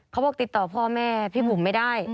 เขาบอกติดต่อพ่อแม่พี่บุ๋มไม่ได้